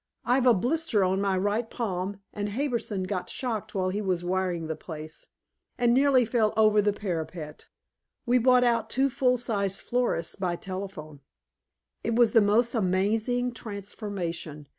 I've a blister on my right palm, and Harbison got shocked while he was wiring the place, and nearly fell over the parapet. We bought out two full sized florists by telephone." It was the most amazing transformation.